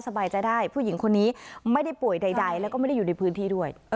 สบายใจได้ผู้หญิงคนนี้ไม่ได้ป่วยใดแล้วก็ไม่ได้อยู่ในพื้นที่ด้วย